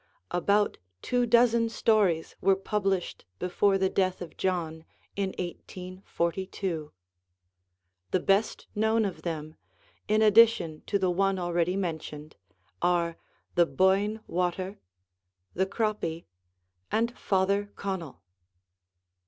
About two dozen stories were published before the death of John, in 1842. The best known of them, in addition to the one already mentioned, are 'The Boyne Water,' 'The Croppy,' and 'Father Connell.'